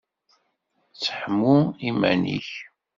Seḥmu iman-ik!